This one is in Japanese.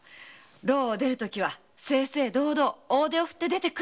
牢を出るときは正々堂々大手を振って出てくるわよ。